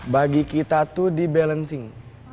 bagi kita itu di balancing